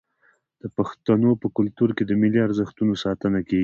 د پښتنو په کلتور کې د ملي ارزښتونو ساتنه کیږي.